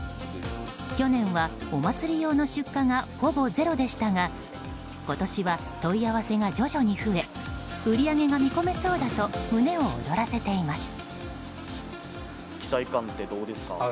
去年はお祭り用の出荷がほぼゼロでしたが今年は問い合わせが徐々に増え売り上げが見込めそうだと胸を躍らせています。